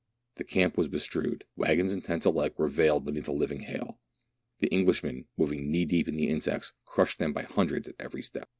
The camp was bestrewed ; wag gons and tents alike were veiled beneath the living hail. The Englishmen, moving knee deep in the insects, crushed them by hundreds at every step.